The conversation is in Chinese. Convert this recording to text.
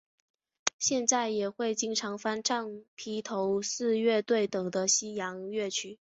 现在也会经常翻唱披头四乐队等的西洋乐曲。